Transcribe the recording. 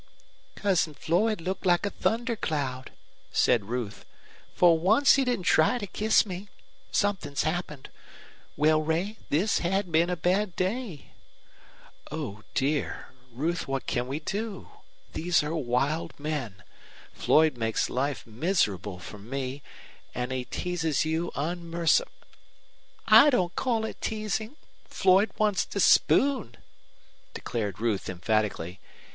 "Cousin Floyd looked like a thunder cloud," said Ruth. "For once he didn't try to kiss me. Something's happened. Well, Ray, this had been a bad day." "Oh, dear! Ruth, what can we do? These are wild men. Floyd makes life miserable for me. And he teases you unmer " "I don't call it teasing. Floyd wants to spoon," declared Ruth, emphatically.